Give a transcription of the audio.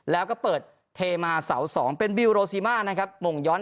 แล้วก็เปิดเทมาเสา๒เป็นบิลโรซีมานะครับมงย้อน